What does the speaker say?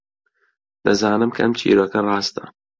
دەزانم کە ئەم چیرۆکە ڕاستە.